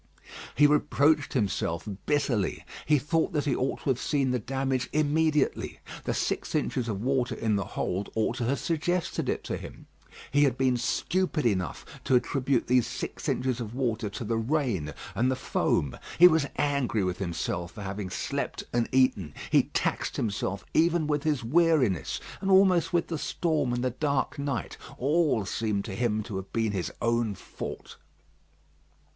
He reproached himself bitterly. He thought that he ought to have seen the damage immediately. The six inches of water in the hold ought to have suggested it to him. He had been stupid enough to attribute these six inches of water to the rain and the foam. He was angry with himself for having slept and eaten; he taxed himself even with his weariness, and almost with the storm and the dark night. All seemed to him to have been his own fault.